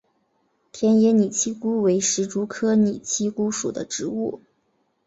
田野拟漆姑为石竹科拟漆姑属的植物。